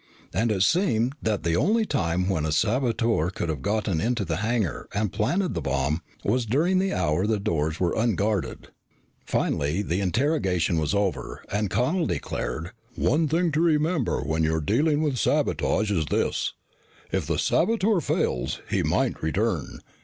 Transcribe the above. And it seemed that the only time when a saboteur could have gotten into the hangar and planted the bomb was during the hour the doors were unguarded. Finally, the interrogation was over and Connel declared, "One thing to remember when you are dealing with sabotage is this: if the saboteur fails, he might return.